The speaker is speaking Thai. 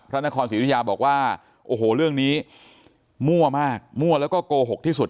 พระนครศรีรุยาบอกว่าโอ้โหเรื่องนี้มั่วมากมั่วแล้วก็โกหกที่สุด